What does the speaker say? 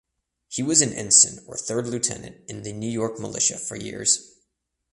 He was an ensign or third lieutenant in the New York militia for years.